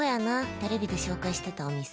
テレビで紹介してたお店。